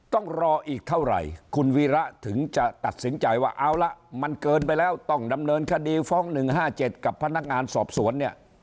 ต้องรออีกเท่าไหร่คุณวีระถึงจะตัดสินใจว่าเอาละมันเกินไปแล้วต้องดำเนินคดีฟ้อง๑๕๗กับพนักงานสอบสวนเนี่ย